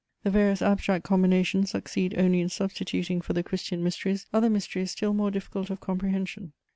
The various abstract combinations succeed only in substituting for the Christian mysteries other mysteries still more difficult of comprehension.